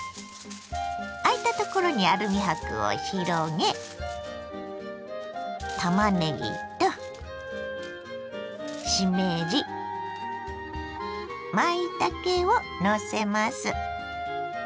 あいたところにアルミ箔を広げたまねぎとしめじまいたけをのせます。